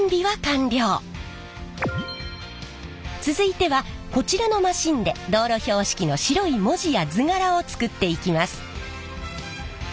続いてはこちらのマシンで道路標識の白い文字や図柄を作っていきます。